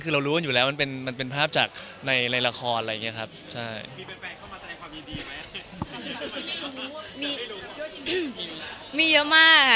คือเรารู้กันอยู่แล้วมันเป็นมันเป็นภาพจากในละครอะไรอย่างนี้ครับ